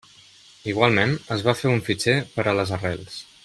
Igualment, es va fer un fitxer per a les arrels.